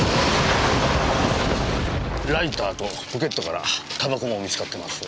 ライターとポケットから煙草も見つかっています。